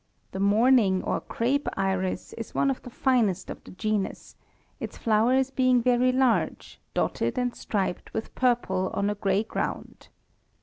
The mourning or crape iris is one of the finest of the genus, its flowers being very large, dotted and striped with purple on a gray ground.